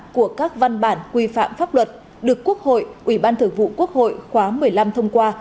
của các văn bản quy phạm pháp luật được quốc hội ủy ban thường vụ quốc hội khóa một mươi năm thông qua